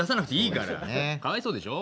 かわいそうでしょう。